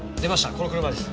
この車です。